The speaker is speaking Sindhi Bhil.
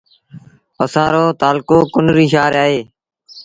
اسآݩ رو تآلڪو ڪنريٚ شآهر اهي